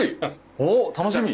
おお楽しみ。